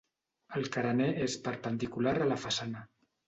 El carener és perpendicular a la façana.